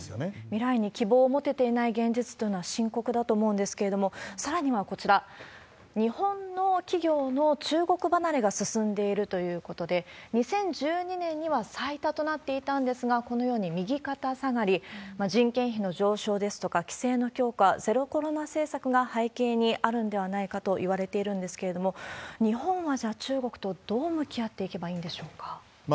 未来に希望を持てていない現実というのは深刻だと思うんですけれども、さらにはこちら、日本の企業の中国離れが進んでいるということで、２０１２年には最多となっていたんですが、このように右肩下がり、人件費の上昇ですとか、規制の強化、ゼロコロナ政策が背景にあるんではないかといわれているんですけれども、日本は、じゃあ中国とどう向き合っていけばいいんでしょうか。